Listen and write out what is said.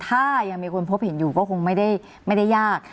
ถ้ายังมีคนพบเห็นอยู่ก็คงไม่ได้ยาก